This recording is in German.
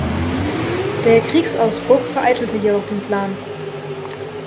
Der Kriegsausbruch vereitelte jedoch den Plan.